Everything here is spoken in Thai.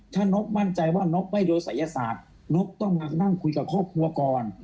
ถ้านกมั่นใจว่านกไม่โดนศัยศาสตร์นกต้องมานั่งคุยกับครอบครัวก่อน